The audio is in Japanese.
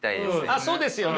あっそうですよね。